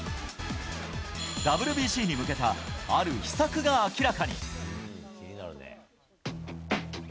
ＷＢＣに向けた、ある秘策が明らかに。